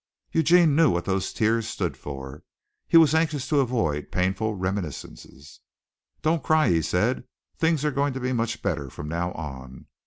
Eugene knew what those tears stood for. He was anxious to avoid painful reminiscences. "Don't cry," he said. "Things are going to be much better from now on."